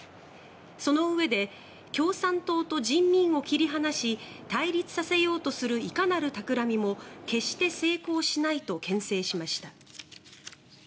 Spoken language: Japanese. そのうえで、共産党と人民を切り離し対立させようとするいかなるたくらみも決して成功しないとけん制しました。